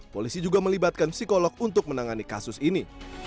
polisi juga melibatkan psikolog untuk menangani kasus ini